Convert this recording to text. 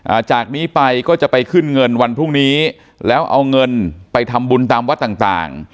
จากนี้ไปก็จะไปขึ้นเงินวันพรุ่งนี้แล้วเอาเงินไปทำบุญตามวัดต่างต่าง